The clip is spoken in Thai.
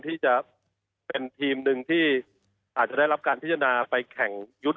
ที่จะเป็นทีมหนึ่งที่อาจจะได้รับการพิจารณาไปแข่งยุทธ